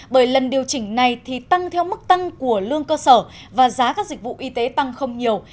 bởi lần điều chỉnh này thì tăng theo mức tăng của lương cơ sở và giá các dịch vụ y tế tăng không nhiều